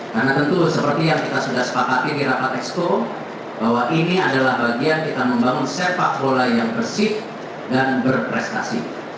karena tentu seperti yang kita sudah sepakati di rapat eksko bahwa ini adalah bagian kita membangun sepak bola yang bersih dan berprestasi